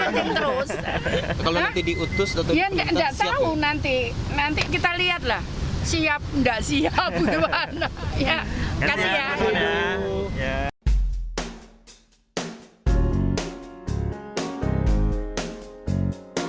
mancing terus kalau nanti diutus nanti nanti kita lihatlah siap enggak siap ya kasih ya